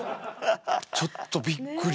ちょっとびっくり。